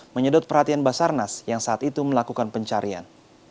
menyedot perhatian basarnas yang saat itu melakukan pencarian